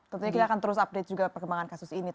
tentunya kita akan terus update juga perkembangan kasus ini